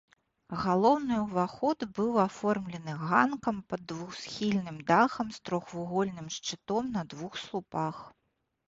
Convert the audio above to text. Галоўны ўваход быў аформлены ганкам пад двухсхільным дахам з трохвугольным шчытом на двух слупах.